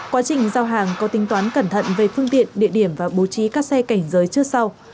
quá trình giao hàng có tính toán cẩn thận về phương tiện địa điểm và bố trí các xe cảnh giới trước sau